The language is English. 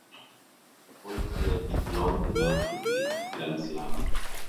The ball carried long enough to be a grand slam.